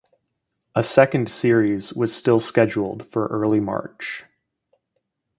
A second series was still scheduled for early March.